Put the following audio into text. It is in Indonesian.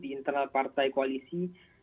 di internal partai koalisi